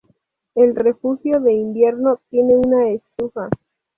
El refugio de invierno tiene una estufa.